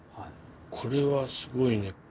これはすごいね